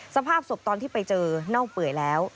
สภาพศพตอนที่ไปเจอเน่าเปื่อยแล้ว